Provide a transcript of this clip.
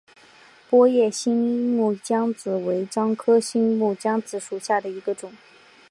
波叶新木姜子为樟科新木姜子属下的一个种。